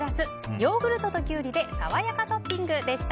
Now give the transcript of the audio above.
ヨーグルト＋キュウリでさわやかトッピングでした。